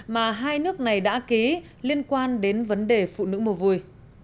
mà hai nước này đã ký liên quan đến vấn đề phụ nữ mô vui